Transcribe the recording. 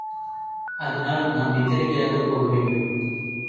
அதனால் நாம் எச்சரிக்கையாகப் போக வேண்டும்.